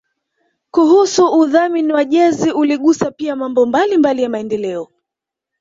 kuhusu udhamini wa jezi uligusa pia mambo mbalimbali ya maendeleo